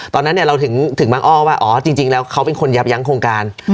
ตอนนั้นเราถึงบางอ้อว่าอ๋อจริงแล้วเขาเป็นคนยับยั้งโครงการ